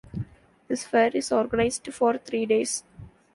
This fair is organised for three days.